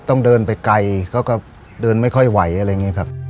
ต้องเดินไปไกลเขาก็เดินไม่ค่อยไหวอะไรอย่างนี้ครับ